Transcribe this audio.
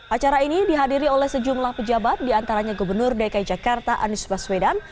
acara ini dihadiri oleh sejumlah pejabat diantaranya gubernur dki jakarta anies baswedan